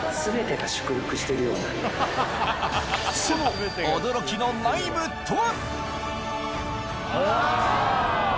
その驚きの内部とは？